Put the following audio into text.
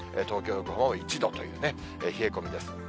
東京、横浜も１度という冷え込みです。